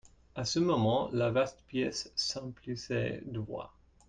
À ce moment, la vaste pièce s'emplissait de voix.